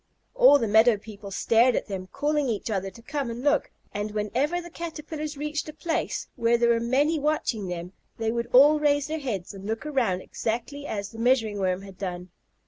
All the meadow people stared at them, calling each other to come and look, and whenever the Caterpillars reached a place where there were many watching them, they would all raise their heads and look around exactly as the Measuring Worm had done.